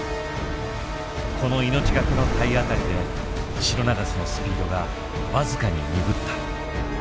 この命懸けの体当たりでシロナガスのスピードが僅かに鈍った。